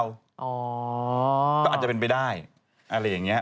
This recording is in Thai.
ก็อาจจะเป็นไปได้อะไรอย่างนี้